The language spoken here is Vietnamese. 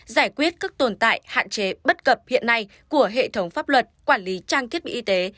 giải quyết các tồn tại hạn chế bất cập hiện nay của hệ thống pháp luật quản lý trang thiết bị y tế